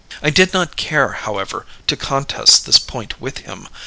"I did not care, however, to contest the point with him.